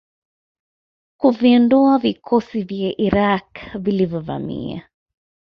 kuviondoavikosi vya Iraq vilivyo vamia